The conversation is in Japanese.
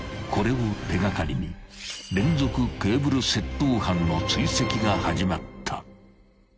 ［これを手掛かりに連続ケーブル窃盗犯の追跡が始まった］